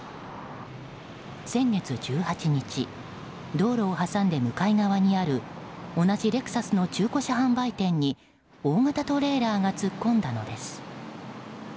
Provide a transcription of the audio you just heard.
先月１８日道路を挟んで向かい側にある同じレクサスの中古車販売店に大型トレーラーが突っ込んだのです。